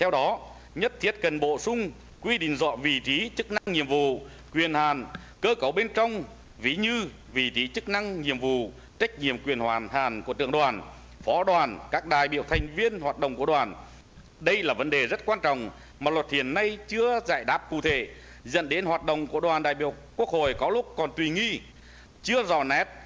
dẫn đến hoạt động của đoàn đại biểu quốc hội có lúc còn tùy nghi chưa rõ nét